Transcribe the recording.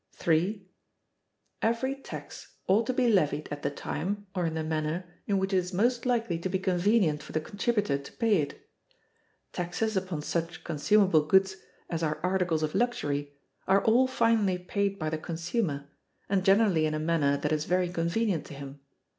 "3. Every tax ought to be levied at the time, or in the manner, in which it is most likely to be convenient for the contributor to pay it. Taxes upon such consumable goods as are articles of luxury are all finally paid by the consumer, and generally in a manner that is very convenient to him.